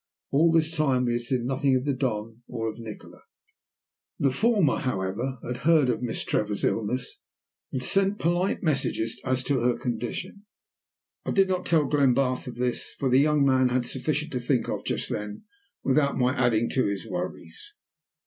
All this time we had seen nothing of the Don or of Nikola. The former, however, had heard of Miss Trevor's illness, and sent polite messages as to her condition. I did not tell Glenbarth of this, for the young man had sufficient to think of just then without my adding to his worries.